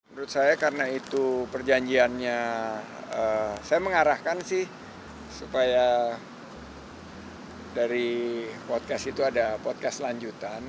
menurut saya karena itu perjanjiannya saya mengarahkan sih supaya dari podcast itu ada podcast lanjutan